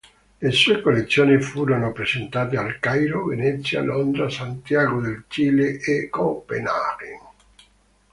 Le sue collezioni furono presentate al Cairo, Venezia, Londra, Santiago del Cile e Copenaghen.